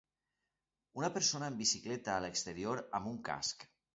Una persona en bicicleta a l'exterior amb un casc.